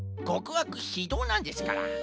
ごくあくひどうなんですから。